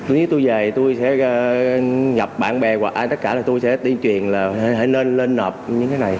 nếu tôi về tôi sẽ nhập bạn bè quả tất cả là tôi sẽ tiên truyền là hãy nên lên nộp những cái này